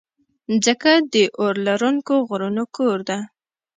مځکه د اورلرونکو غرونو کور ده.